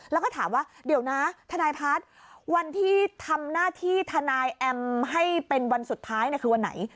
แล้วก็ถามว่าเดี๋ยวนะทนายพัฒน์วันที่ทำหน้าที่ทนายแอมให้เป็นวันสุดท้ายคือวันไหน